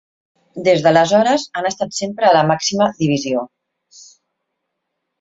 Des d'aleshores, han estat sempre a la màxima divisió.